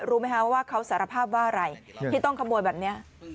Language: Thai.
รู้ไหมคะว่าเขาสารภาพว่าอะไรที่ต้องขโมยแบบนี้